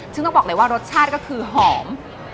ซึ่งต้องบอกเลยว่ารสชาติก็คือหอม